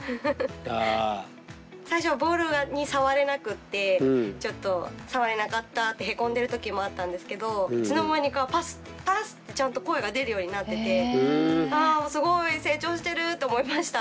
最初ボールに触れなくてちょっと触れなかったってへこんでる時もあったんですけどいつの間にか「パスパス！」ってちゃんと声が出るようになっててあすごい成長してると思いました。